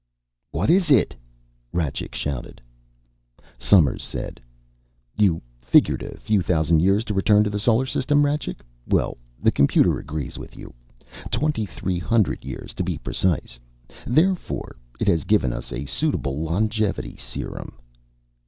"What is it?" Rajcik shouted. Somers said, "You figured a few thousand years to return to the Solar System, Rajcik? Well, the computer agrees with you. Twenty three hundred years, to be precise. Therefore, it has given us a suitable longevity serum."